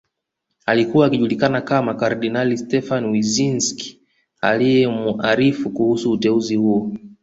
Alikuwa akijulikana kama kardinali Stefan Wyszynsk aliyemuarifu kuhusu uteuzi huo